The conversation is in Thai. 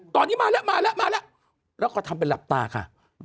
ตอนนี้มาแล้วแล้วก็ทำเป็นหลับตาค่ะ